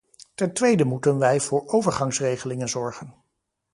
Ten tweede moeten wij voor overgangsregelingen zorgen.